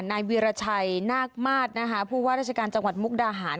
นายวีรชัยนาคมาสนะคะผู้ว่าราชการจังหวัดมุกดาหาร